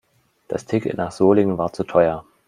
Das Ticket nach Solingen war zu teuer